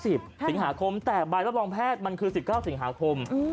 เขามอบตัวเมื่อวาน๒๐สิงหาคมแต่ใบรับรองแพทย์มันคือ๑๙สิงหาคม